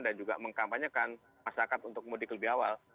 dan juga mengkampanyekan masyarakat untuk mudik lebih awal